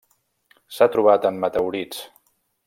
S'ha trobat en meteorits.